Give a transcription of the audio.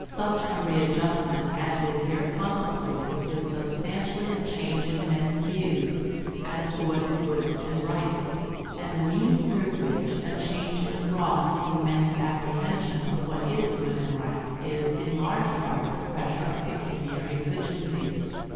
Such a readjustment as is here contemplated is substantially a change in men's views as to what is good and right, and the means through which a change is wrought in men's apprehension of what is good and right is in large part the pressure of pecuniary exigencies.